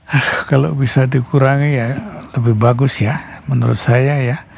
ya kalau bisa dikurangi ya lebih bagus ya menurut saya ya